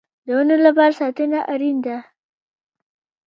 د ونو لپاره ساتنه اړین ده